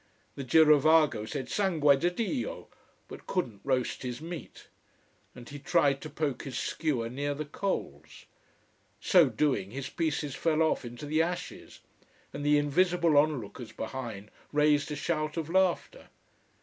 The girovago said Sangue di Dio, but couldn't roast his meat! And he tried to poke his skewer near the coals. So doing his pieces fell off into the ashes, and the invisible onlookers behind raised a shout of laughter.